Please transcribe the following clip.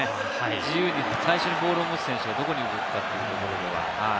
自由に最初にボールを持つ選手がどこに動くかというところでは。